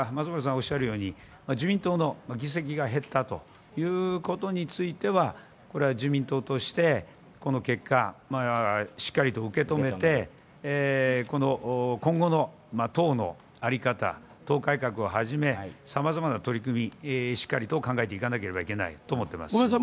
ただ、自民党の議席が減ったということについては自民党としてこの結果しっかりと受け止めて今後の党の在り方、党改革を始めさまざまな取り組み、しっかりと考えていかねばならないと思います。